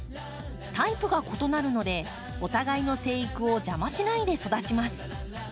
タイプが異なるのでお互いの生育を邪魔しないで育ちます。